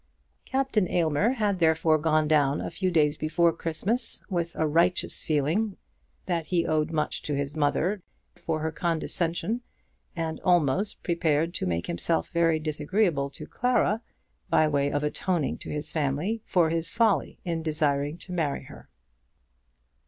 Captain Aylmer had therefore gone down a few days before Christmas, with a righteous feeling that he owed much to his mother for her condescension, and almost prepared to make himself very disagreeable to Clara by way of atoning to his family for his folly in desiring to marry her.